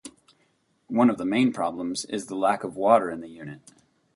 One of the main problems is the lack of water in the unit.